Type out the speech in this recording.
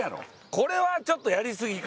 これは、ちょっとやりすぎか。